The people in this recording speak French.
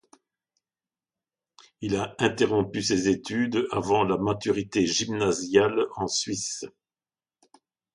Il a interrompu ses études avant la Maturité gymnasiale en Suisse.